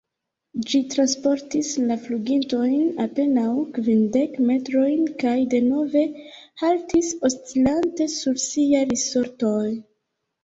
Ĝi transportis la flugintojn apenaŭ kvindek metrojn kaj denove haltis, oscilante sur siaj risortoj.